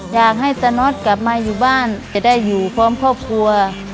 อยากให้ตนทกลับมาไปอยู่บ้านจะได้อยู่พร้อมพ่อไพกลัว